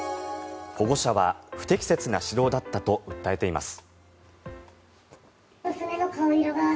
保護者は不適切な指導だったと訴えています。